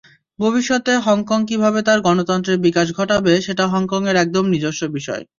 ভবিষ্যতে হংকং কীভাবে তার গণতন্ত্রের বিকাশ ঘটাবে, সেটা হংকংয়ের একদম নিজস্ব বিষয়।